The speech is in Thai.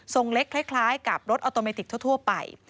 เล็กคล้ายกับรถออโตเมติกทั่วไป